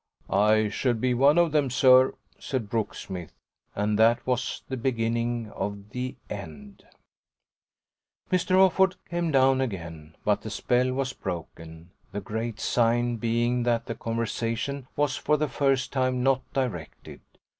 "I shall be one of them, sir!" said Brooksmith; and that was the beginning of the end. Mr. Offord came down again, but the spell was broken, the great sign being that the conversation was for the first time not directed.